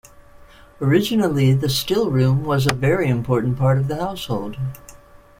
Originally, the still room was a very important part of the household.